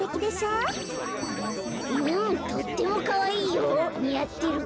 うんとってもかわいいよにあってる。